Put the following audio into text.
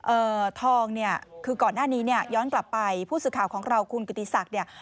ทองเนี่ยคือก่อนหน้านี้เนี่ยย้อนกลับไปผู้สื่อข่าวของเราคุณกิติศักดิ์เนี่ย